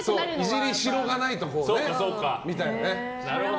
いじりしろがないとみたいなね。